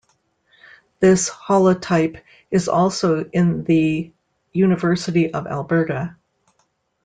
This holotype is also in the University of Alberta.